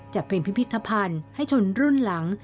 จะเป็นพิพิธภัณฑ์ให้ชนรุ่นหลัง